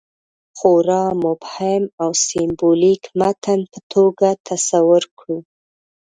خورا مبهم او سېمبولیک متن په توګه تصور کړو.